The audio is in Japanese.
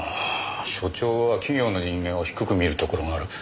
所長は企業の人間を低く見るところがある。